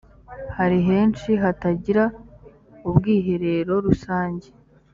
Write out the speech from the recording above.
hari henshi hatagira ubwiherero rusange